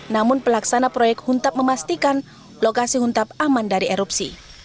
namun pelaksana proyek huntap memastikan lokasi huntap aman dari erupsi